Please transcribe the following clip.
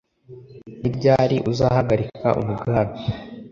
Ni ryari uzahagarika umugambi